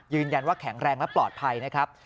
ยืนยันว่าแข็งแรงและปลอดภัยนะครับ